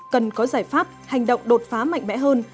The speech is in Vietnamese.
cần có giải pháp hành động đột phá mạnh mẽ hơn